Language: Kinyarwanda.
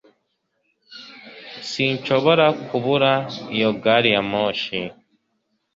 Sinshobora kubura iyo gari ya moshi